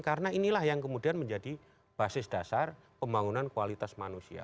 karena inilah yang kemudian menjadi basis dasar pembangunan kualitas manusia